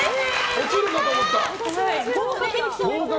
落ちるかと思った。